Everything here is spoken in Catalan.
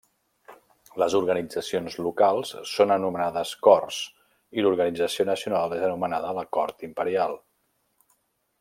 Les organitzacions locals són anomenades Corts i l'organització nacional és anomenada la Cort Imperial.